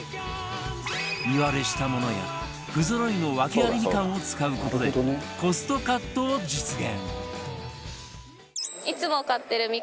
身割れしたものや不ぞろいの訳ありみかんを使う事でコストカットを実現